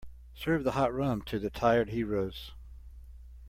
Serve the hot rum to the tired heroes.